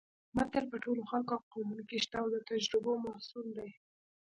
متل په ټولو خلکو او قومونو کې شته او د تجربو محصول دی